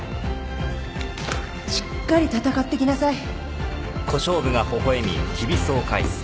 しっかり戦ってきなさい。